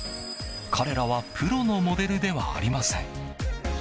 彼らはプロのモデルではありません。